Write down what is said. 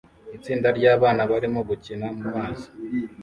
Itsinda ryabana barimo gukina mumazi